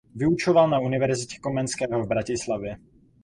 Vyučoval na Univerzitě Komenského v Bratislavě.